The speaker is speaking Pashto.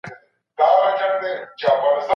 موږ به تر پایه د علم په لټه کي یو.